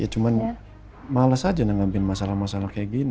ya cuman males aja menanggapi masalah masalah kayak gini